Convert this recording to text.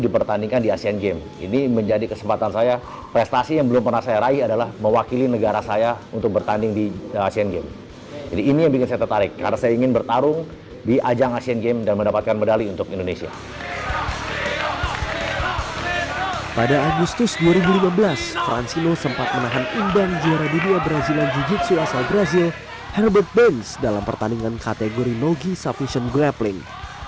francino sempat menahan imbang juara dunia brazilan jiu jitsu asal brazil herbert baines dalam pertandingan kategori nogi sufficient grappling